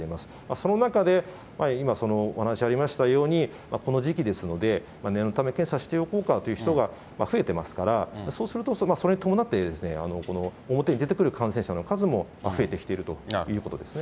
その中で今、お話ありましたように、この時期ですので、念のため検査しておこうかという人が増えてますから、そうすると、それに伴って、表に出てくる感染者の数も増えてきているということですね。